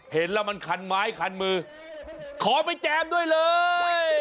เห็นแล้วมันคันไม้คันมือขอไปแจมด้วยเลย